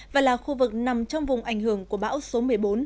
và là khu vực nằm trong vùng ảnh hưởng của bão số một mươi bốn